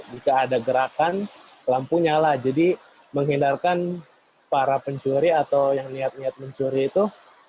jika ada gerakan lampu nyala jadi menghindarkan para pencuri atau yang niat lihat mencuri itu